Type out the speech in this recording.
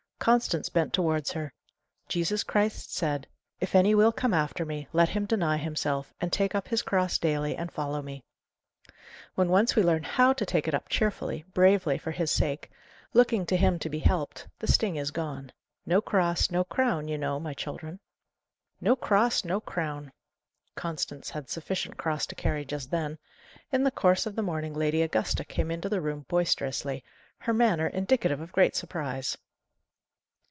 Constance bent towards her. "Jesus Christ said, 'If any will come after me, let him deny himself, and take up his cross daily, and follow me.' When once we learn HOW to take it up cheerfully, bravely, for His sake, looking to Him to be helped, the sting is gone. 'No cross, no crown,' you know, my children." "No cross, no crown!" Constance had sufficient cross to carry just then. In the course of the morning Lady Augusta came into the room boisterously, her manner indicative of great surprise.